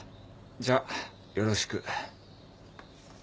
じゃよろしく。